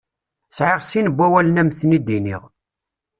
Sεiɣ sin wawalen ad m-ten-id-iniɣ.